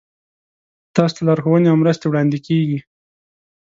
تاسو ته لارښوونې او مرستې وړاندې کیږي.